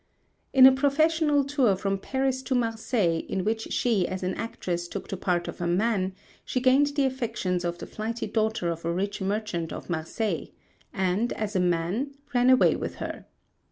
In a professional tour from Paris to Marseilles, in which she as an actress took the part of a man, she gained the affections of the flighty daughter of a rich merchant of Marseilles; and, as a man, ran away with her.